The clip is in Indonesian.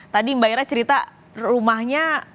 tadi mbak ira cerita rumahnya